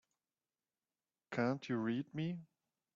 Can't you read me?